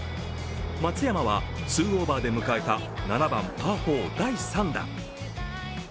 松山は２オーバーで迎えた７番、パー４、第３打。